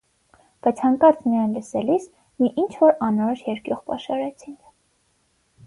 Բայց հանկարծ նրան լսելիս՝ մի ինչ֊որ անորոշ երկյուղ պաշարեց ինձ: